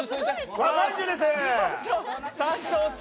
和田まんじゅうですー！